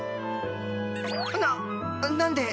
ななんで？